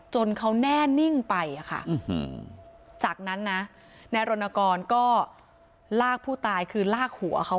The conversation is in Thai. เขาแน่นิ่งไปค่ะจากนั้นนะนายรณกรก็ลากผู้ตายคือลากหัวเขา